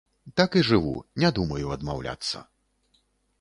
Так і жыву, не думаю адмаўляцца.